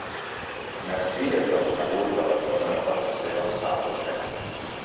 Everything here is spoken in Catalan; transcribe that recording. Mercy és reconegut a la zona per la seva sala d'urgències.